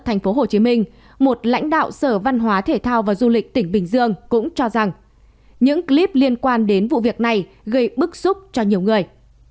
thành phố hồ chí minh một lãnh đạo sở văn hóa thể thao và du lịch tỉnh bình dương cũng cho rằng những clip liên quan đến vụ việc này gây bức xúc cho nhiều người